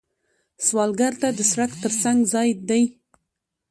سوالګر ته د سړک تر څنګ ځای دی